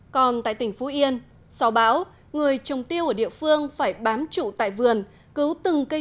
còn tại tỉnh phú yên sau bão người trồng tiêu ở địa phương phải bám trụ tại vườn cứu từng cây